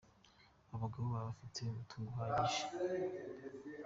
Aba bagabo baba bafite umutungo uhagije.